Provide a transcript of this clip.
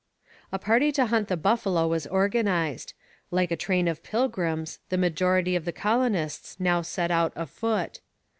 A party to hunt the buffalo was organized. Like a train of pilgrims, the majority of the colonists now set out afoot.